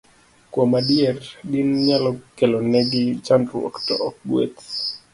Kuom adier, din nyalo kelonegi chandruok, to ok gweth